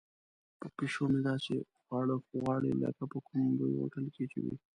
پیشو مې داسې خواړه غواړي لکه په کوم لوی هوټل کې چې وي.